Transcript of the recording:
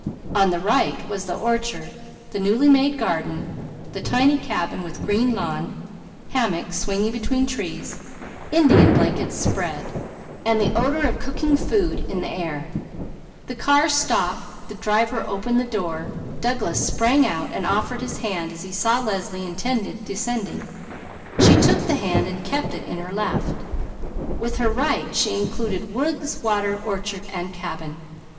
On the right was the orchard, the newly made garden, the tiny cabin with green lawn, hammocks swinging between trees, Indian blankets spread, and the odour of cooking food in the air. The car stopped, Douglas sprang out and offered his hand as he saw Leslie intended descending. She took the hand and kept it in her left. With her right she included woods, water, orchard and cabin.